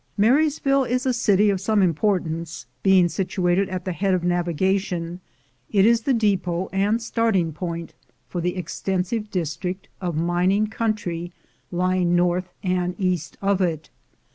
Marysville is a city of some importance: being situated at the head of navigation, it is the depot and DOWN WITH THE FLOOD 265 starting point for the extensive district of mining country lying north and east of it.